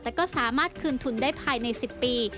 แต่ก็สามารถคืนทุนได้ภายใน๑๐ปี